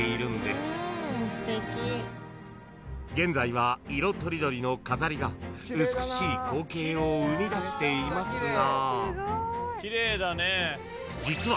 ［現在は色とりどりの飾りが美しい光景を生み出していますが実は］